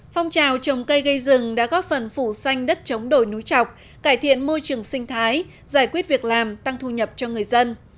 phong trào trồng cây gây rừng đã góp phần phủ xanh đất chống đồi núi trọc cải thiện môi trường sinh thái giải quyết việc làm tăng thu nhập cho người dân